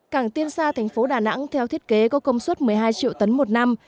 cảng tiên sa thành phố đà nẵng theo thiết kế có công suất một mươi hai triệu tấn một năm